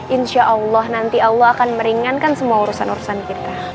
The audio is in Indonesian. insya allah nanti allah akan meringankan semua urusan urusan kita